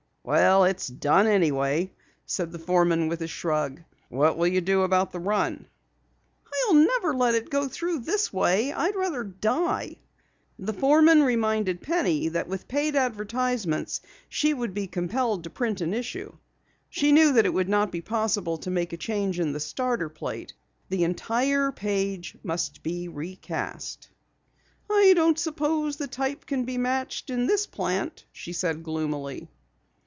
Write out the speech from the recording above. "Well, it's done anyway," said the foreman with a shrug. "What will you do about the run?" "I'll never let it go through this way. I'd rather die." The foreman reminded Penny that with paid advertisements she would be compelled to print an issue. She knew that it would not be possible to make a change in the starter plate. The entire page must be recast. "I don't suppose the type can be matched in this plant," she said gloomily.